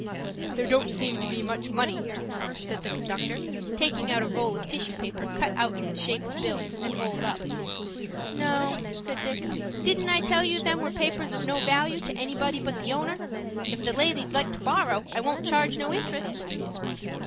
"There don't seem to be much money here," said the conductor, taking out a roll of tissue paper cut out in the shape of bills, and rolled up. "No," said Dick. "Didn't I tell you them were papers of no valoo to anybody but the owner? If the lady'd like to borrow, I won't charge no interest."